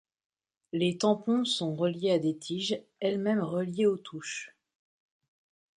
Les tampons sont reliés à des tiges elles-mêmes reliées aux touches.